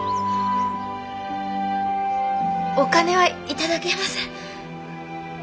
お金は頂けません。